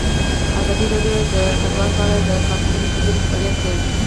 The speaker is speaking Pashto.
ازادي راډیو د کډوال په اړه د کارپوهانو خبرې خپرې کړي.